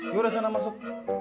yaudah sana masuk